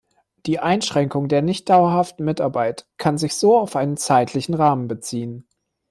Die Einschränkung der nicht dauerhaften Mitarbeit kann sich so auf einen zeitlichen Rahmen beziehen.